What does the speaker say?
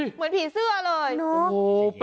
เหมือนผีเสื้อเลย